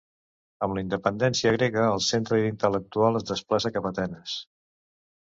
Amb la independència grega, el centre intel·lectual es desplaça cap a Atenes.